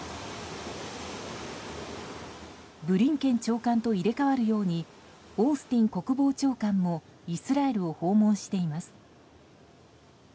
ブリンケン長官と入れ替わるようにオースティン国防長官もイスラエルを訪問しています。